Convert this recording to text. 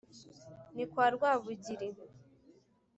ni kwa rwabugiri